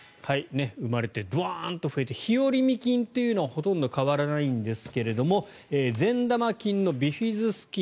生まれてバーンと増えて日和見菌というのはほとんど変わらないんですが善玉菌のビフィズス菌